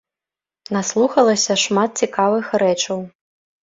Наслухалася шмат цікавых рэчаў.